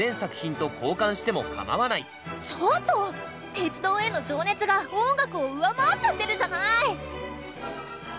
鉄道への情熱が音楽を上回っちゃってるじゃない！